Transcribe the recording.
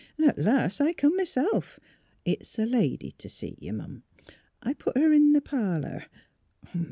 At last I come m 'self. It's a lady t' see you, 'm; I put her in th' parlour.